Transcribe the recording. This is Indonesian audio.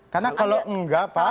karena kalau enggak pak